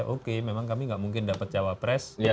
oke memang kami gak mungkin dapat jawab pres